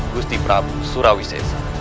gusti prabu surawi sesegara